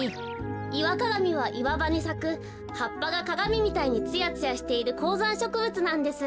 イワカガミはいわばにさくはっぱがかがみみたいにツヤツヤしているこうざんしょくぶつなんです。